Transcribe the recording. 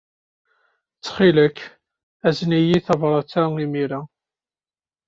Ttxil-k, azen-iyi tabṛat-a imir-a.